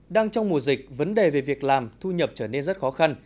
đang trong mùa dịch vấn đề về việc làm thu nhập trở nên rất khó khăn